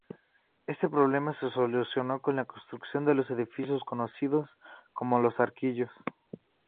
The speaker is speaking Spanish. Este problema se solucionó con la construcción de los edificios conocidos como Los Arquillos.